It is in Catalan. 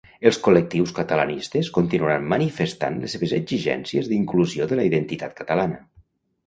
Els col·lectius catalanistes continuaran manifestant les seves exigències d'inclusió de la identitat catalana.